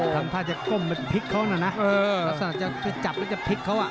ทำท่าจะก้มเหมือนพลิกเค้าน่ะนะเออเออเออจะจับแล้วจะพลิกเค้าอ่ะ